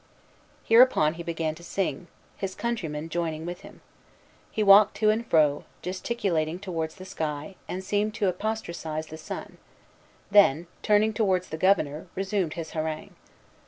Hereupon he began to sing, his countrymen joining with him. He walked to and fro, gesticulated towards the sky, and seemed to apostrophize the sun; then, turning towards the Governor, resumed his harangue.